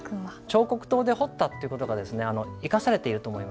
彫刻刀で彫ったという事が生かされていると思いますね。